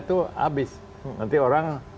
itu habis nanti orang